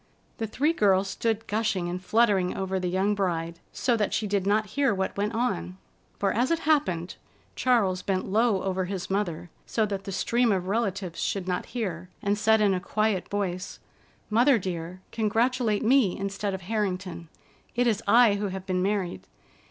The three girls stood gushing and fluttering over the young bride, so that she did not hear what went on. For, as it happened, Charles bent low over his mother, so that the stream of relatives should not hear, and said in a quiet voice: "Mother dear, congratulate me instead of Harrington. It is I who have been married.